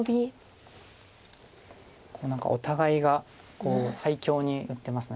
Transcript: お互いが最強に打ってます。